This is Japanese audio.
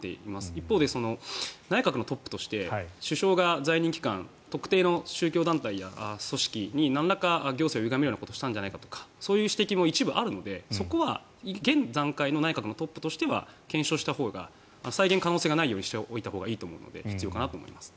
一方で、内閣のトップとして首相が在任期間特定の宗教団体や組織なんらか行政をゆがめることをしたんじゃないかとかそういう指摘も一部あるのでそこは現段階の内閣のトップとしては検証したほうが、再現可能性がないようにしたほうがいいと思うので必要かなと思います。